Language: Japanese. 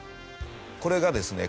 これがですね